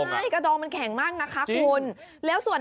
เฮ้ยเฮ้ยเฮ้ยเฮ้ยเฮ้ยเฮ้ย